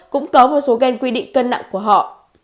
cũng có một số gan quy định cân nặng của họ